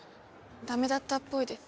駄目だったっぽいです。